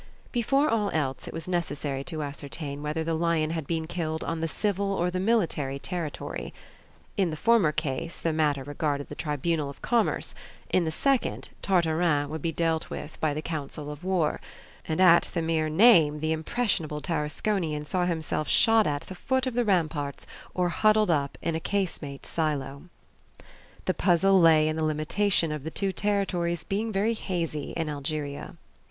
Before all else it was necessary to ascertain whether the lion had been killed on the civil or the military territory. In the former case the matter regarded the Tribunal of Commerce; in the second, Tartarin would be dealt with by the Council of War: and at the mere name the impressionable Tarasconian saw himself shot at the foot of the ramparts or huddled up in a casemate silo. The puzzle lay in the limitation of the two territories being very hazy in Algeria.